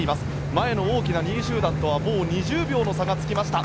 前の大きな２位集団とは２０秒の差がつきました。